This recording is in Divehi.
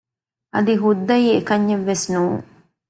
އަދި ހުއްދައީ އެކަންޏެއް ވެސް ނޫން